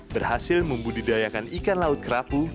berhasil membudidayakan ikan laut kerapu